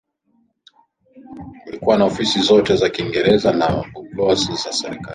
kulikuwa na ofisi zote za Kiingereza na bungalows za serikali